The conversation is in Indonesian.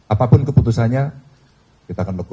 apapun keputusannya kita akan lakukan